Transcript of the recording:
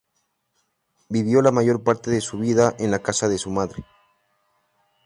Vivió la mayor parte de su vida en la casa de su madre.